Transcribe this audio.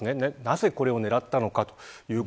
なぜこれを狙ったのか。